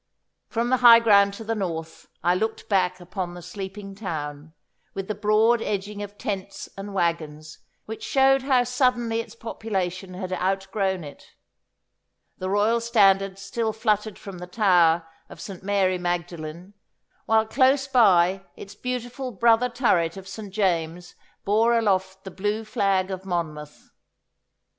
From the high ground to the north I looked back upon the sleeping town, with the broad edging of tents and waggons, which showed how suddenly its population had outgrown it. The Royal Standard still fluttered from the tower of St. Mary Magdalene, while close by its beautiful brother turret of St. James bore aloft the blue flag of Monmouth.